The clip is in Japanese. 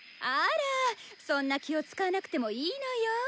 あらそんな気を遣わなくてもいいのよ。